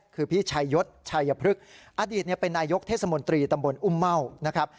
คือพี่ชายศชายพฤกษ์อดีตเป็นนายยกเทศมนตรีตำบลอุ่มเมา